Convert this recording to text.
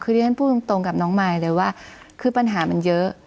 คือที่ฉันพูดตรงกับน้องมายเลยว่าคือปัญหามันเยอะ